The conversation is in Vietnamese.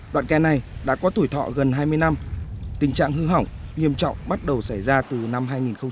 đoạn kè này đã có tuổi thọ gần hai mươi năm tình trạng hư hỏng nghiêm trọng bắt đầu xảy ra từ năm hai nghìn một mươi